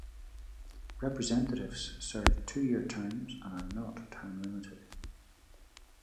Representatives serve two year terms and are not term limited.